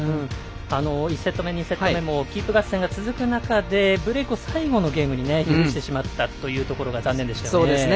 １セット目、２セット目もキープ合戦が続く中でブレークを最後のゲーム許してしまったというのが残念でしたよね。